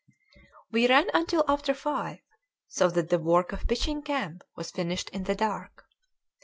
We ran until after five, so that the work of pitching camp was finished in the dark.